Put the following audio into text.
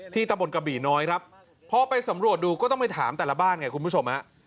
ตำบลกระบี่น้อยครับพอไปสำรวจดูก็ต้องไปถามแต่ละบ้านไงคุณผู้ชมฮะ